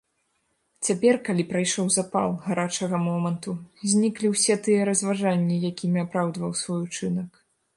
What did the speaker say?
Цяпер, калі прайшоў запал гарачага моманту, зніклі ўсе тыя разважанні, якімі апраўдваў свой учынак.